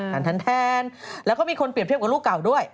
แทนแล้วก็มีคนเปรียบเทียบกับลูกเก่าด้วย